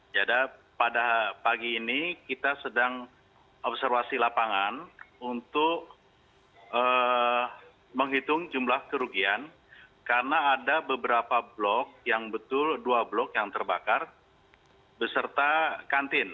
pada pagi ini kita sedang observasi lapangan untuk menghitung jumlah kerugian karena ada beberapa blok yang betul dua blok yang terbakar beserta kantin